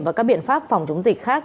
và các biện pháp phòng chống dịch khác